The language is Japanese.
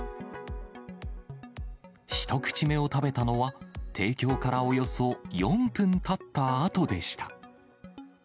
一口目を食べたのは、提供からおよそ４分たったあとでした。